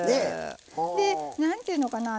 で何ていうのかな